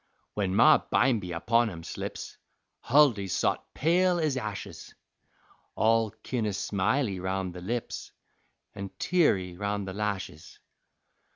When Ma bimeby upon 'em slips, Huldy sot pale ez ashes, All kin' o' smily roun' the lips An' teary roun' the lashes.